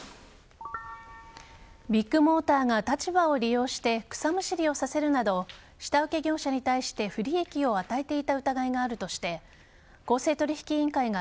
ビッグモーターが立場を利用して草むしりをさせるなど下請け業者に対して不利益を与えていた疑いがあるとして公正取引委員会が